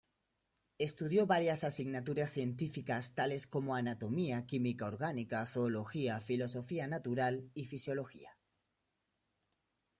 Estudió varias asignaturas científicas tales como anatomía, química orgánica, zoología, filosofía natural y fisiología.